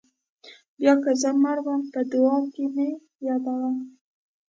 بیا که زه مړ وم په دعاوو کې مې یادوه.